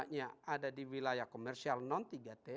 tiga tiga ratus empat puluh lima nya ada di wilayah komersial non tiga t